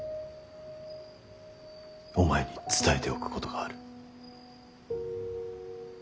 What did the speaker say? お前に伝えておくことがある。